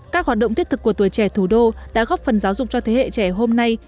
các hoạt động thiết thực của tuổi trẻ thủ đô đã góp phần giáo dục cho thế hệ trẻ hôm nay